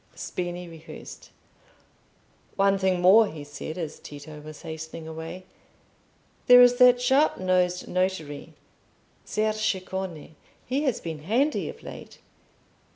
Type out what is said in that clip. Spini rehearsed. "One thing more," he said, as Tito was hastening away. "There is that sharp nosed notary, Ser Ceccone; he has been handy of late.